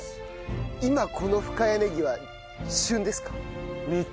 今この深谷ねぎは旬ですか？